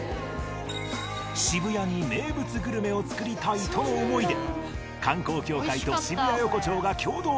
渋谷に名物グルメを作りたいとの思いでおいしい。